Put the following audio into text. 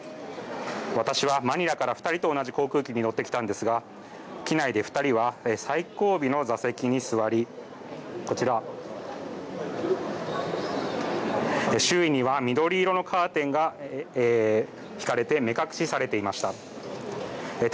私はマニラから２人と同じ航空機に乗ってきたんですが、機内で２人は最後尾の座席に座り、こちら、周囲には緑色のカーテンが引かれて、目隠しされていました。